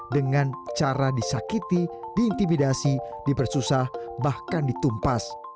dengan cara disakiti diintimidasi dipersusah bahkan ditumpas